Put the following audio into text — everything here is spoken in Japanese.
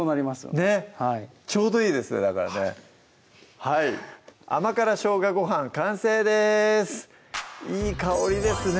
ねっちょうどいいですよだからはい「あまから生姜ごはん」完成ですいい香りですね